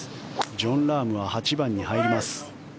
ジョン・ラームは８番に入ります。